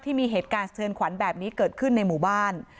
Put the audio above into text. ที่มีเหตุการณ์สะเทือนขวัญแบบนี้เกิดขึ้นในหมู่บ้าน